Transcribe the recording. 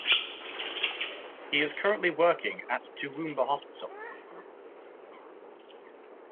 He is currently working at Toowoomba Hospital.